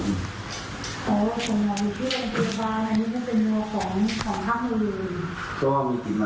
โอหวังว่าตัวผมมีเป็นคือวิทยานที่คุณพา